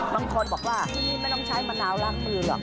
บางคนบอกว่าที่นี่ไม่ต้องใช้มะนาวล้างมือหรอก